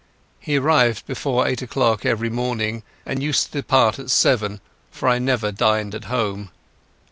He arrived before eight o'clock every morning and used to depart at seven, for I never dined at home.